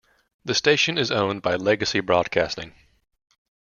The station is owned by Legacy Broadcasting.